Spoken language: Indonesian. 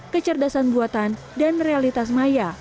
kecerdasan buatan dan realitas maya